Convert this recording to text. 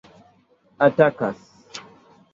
atakas